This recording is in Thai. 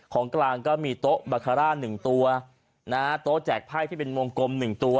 ของกลางก็มีโต๊ะบาคาร่า๑ตัวนะฮะโต๊ะแจกไพ่ที่เป็นวงกลม๑ตัว